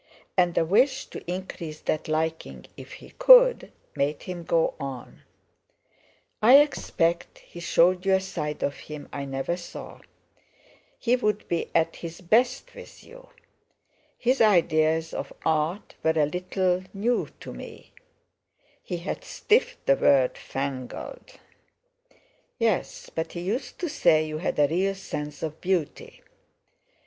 And the wish to increase that liking, if he could, made him go on: "I expect he showed you a side of him I never saw. He'd be at his best with you. His ideas of art were a little new—to me"—he had stiffed the word 'fangled.' "Yes: but he used to say you had a real sense of beauty."